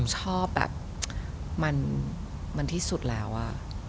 ชอบแบบมันที่สุดแล้วอะ